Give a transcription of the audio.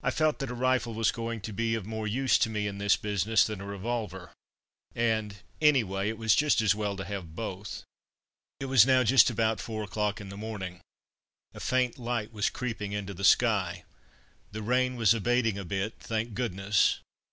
I felt that a rifle was going to be of more use to me in this business than a revolver, and, anyway, it was just as well to have both. It was now just about four o'clock in the morning. A faint light was creeping into the sky. The rain was abating a bit, thank goodness!